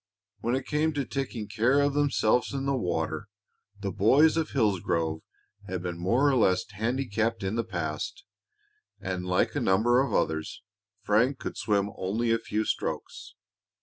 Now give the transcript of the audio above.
When it came to taking care of themselves in the water the boys of Hillsgrove had been more or less handicapped in the past, and like a number of others, Frank could swim only a few strokes.